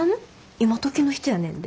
今時の人やねんで。